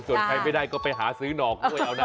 ส่วนใครไม่ได้ก็ไปหาซื้อหนอกด้วยเอานะ